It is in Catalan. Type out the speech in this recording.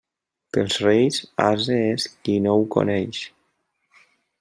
Pels Reis ase és qui no ho coneix.